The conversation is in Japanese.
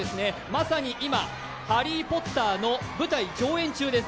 まさに今「ハリー・ポッター」の舞台上演中です。